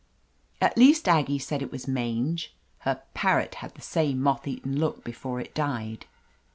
At least Aggie said it was mange ; her par rot had the same moth eaten look before it died.